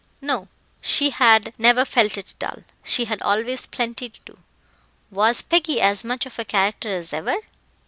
No, she had never felt it dull; she had always plenty to do. Was Peggy as much of a character as ever?